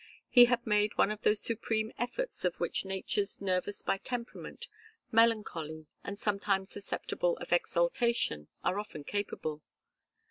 He had made one of those supreme efforts of which natures nervous by temperament, melancholy, and sometimes susceptible of exaltation, are often capable.